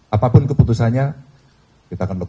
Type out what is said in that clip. apapun keputusannya kita akan lakukan